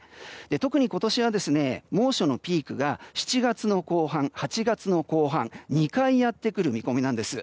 特に今年は猛暑のピークが７月の後半、８月の後半２回やってくる見込みなんです。